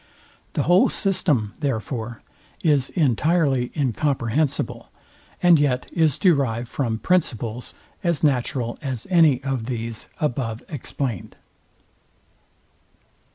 The whole system, therefore, is entirely incomprehensible, and yet is derived from principles as natural as any of these above explained.